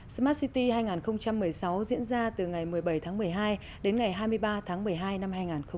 smart city hai nghìn một mươi sáu diễn ra từ ngày một mươi bảy tháng một mươi hai đến ngày hai mươi ba tháng một mươi hai năm hai nghìn một mươi chín